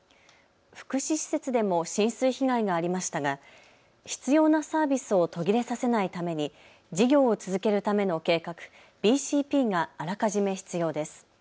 福祉施設でも浸水被害がありましたが必要なサービスを途切れさせないために事業を続けるための計画ＢＣＰがあらかじめ必要です。